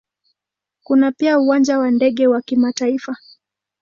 Kuna pia Uwanja wa ndege wa kimataifa.